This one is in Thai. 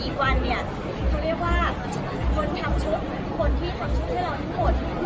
อีกวันเนี่ยเขาเรียกว่าคนทำชุดคนที่ทำชุดให้เราทั้งหมด